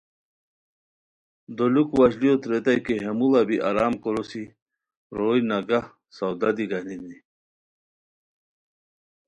دولوک واشلیوت ریتائے کی ہے موژہ بی آرام کوروسی روئے نگہ سودا دی گانینی